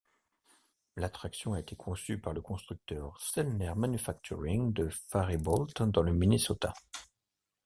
L'attraction a été conçue par le constructeur Sellner Manufacturing de Faribault, dans le Minnesota.